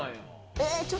えっ？